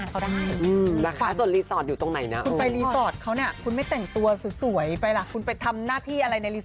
แต่แก้ว่าเข้าใจว่ายุคนี้สมัยนี้